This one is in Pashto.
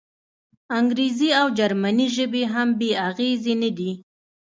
انګریزي او جرمني ژبې هم بې اغېزې نه دي.